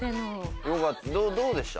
どうでした？